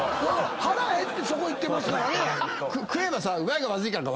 腹減ってそこ行ってますからね。